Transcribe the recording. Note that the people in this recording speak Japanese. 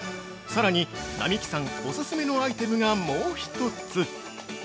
◆さらに、双木さんオススメのアイテムが、もう１つ！